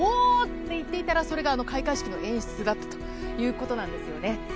と言っていたらそれが開会式の演出だったということなんです。